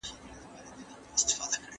تاسو بايد د خپلې خاورې په مينه ودان اوسئ.